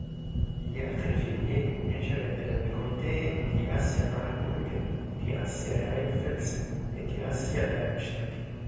Gli altri figli ricevettero le contee di Assia-Marburg, di Assia-Rheinfels e di Assia-Darmstadt.